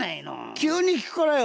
急に聞くからよ。